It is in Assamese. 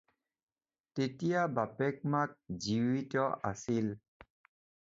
তেতিয়া বাপেক-মাক জীৱিত আছিল।